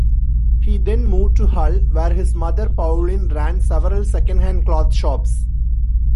He then moved to Hull, where his mother, Pauline, ran several second-hand clothes shops.